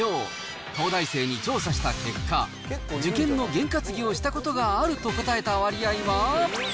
東大生に調査した結果、受験の験担ぎをしたことがあると答えた割合は。